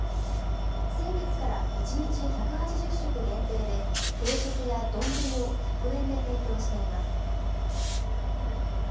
先月から１日１８０食限定で、定食や丼を１００円で提供しています。